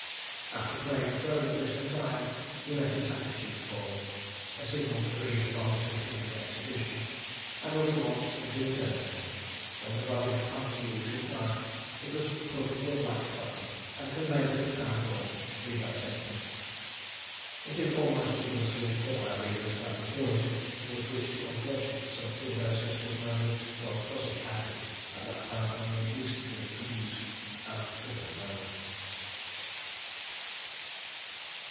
After praying fervently some time he let his handkerchief fall a signal agreed upon between him and the executioner and was launched into eternity. When the body had hung the usual time it was put into a black coffin, and conveyed to the Town Hall to be dissected. It is almost needless to inform our readers, that the poison with which the unfortunate Sir Theodosius was murdered was prussic acid, at that time only recently introduced and little known.